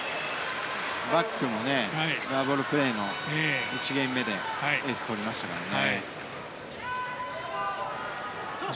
バックのラブオールプレーの１ゲーム目でエースを取りましたからね。